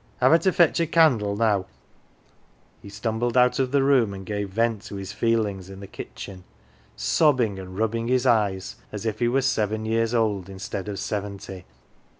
Have I to fetch a candle now ?" He stumbled out of the room and gave vent to his feelings in the kitchen, sobbing and rubbing his eyes as if he were seven years old instead of seventy.